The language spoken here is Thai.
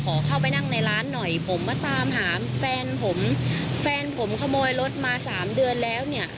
ขอเข้าไปนั่งในร้านหน่อยผมมาตามหาแฟนผมแฟนผมขโมยรถมาสามเดือนแล้วเนี่ย